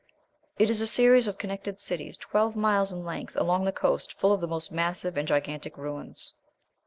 It is a series of connected cities twelve miles in length, along the coast, full of the most massive and gigantic ruins.